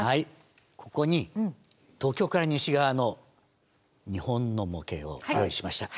ここに東京から西側の日本の模型を用意しました。